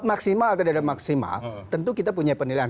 maksimal atau tidak maksimal tentu kita punya penilaian